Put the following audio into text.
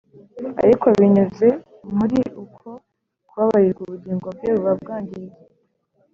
ariko binyuze muri uko kubabarirwa, ubugingo bwe buba bwangiritse